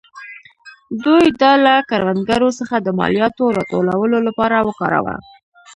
دوی دا له کروندګرو څخه د مالیاتو راټولولو لپاره وکاراوه.